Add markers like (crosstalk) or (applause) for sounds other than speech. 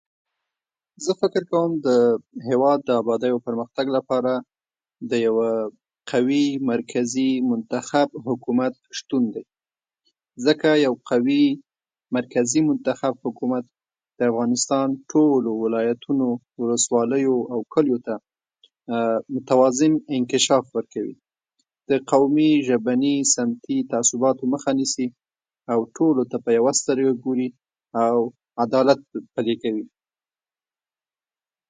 زه فکر کوم د هېواد د ابادۍ او پرمختګ لپاره د یوه قوي مرکزي منتخب حکومت شتون دی، ځکه یو قوي مرکزي منتخب حکومت د افغانستان ټولو ولایتونو، ولسوالیو او کلیو ته (hesitation) متوازن انکشاف ورکوي، د قومي، ژبني، سمتي تعصباتو مخه نیسي، او ټولو ته په یوه سترګه ګوري او عدالت پلی کوي.